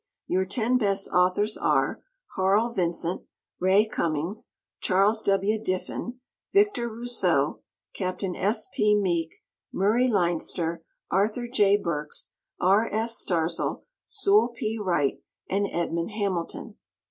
Your ten best authors are: Harl Vincent, Ray Cummings, Charles W. Diffin, Victor Rousseau, Capt. S. P. Meek, Murray Leinster, Arthur J. Burks, R. F. Starzl, Sewell P. Wright and Edmond Hamilton.